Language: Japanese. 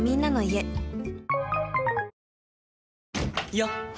よっ！